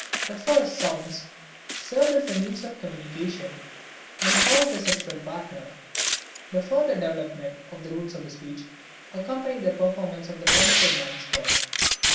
The first sounds served as means of communication, and called the sexual partner; the further development of the roots of speech accompanied the performance of the primitive man's work.